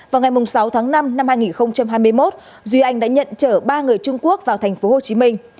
vào ngày sáu tháng năm năm hai nghìn hai mươi một duy anh đã nhận chở ba người trung quốc vào thành phố hồ chí minh